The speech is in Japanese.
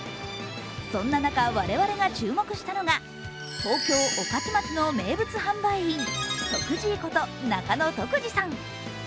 そんな中、我々が注目したのが東京・御徒町の名物販売員徳じいこと中野徳治さん。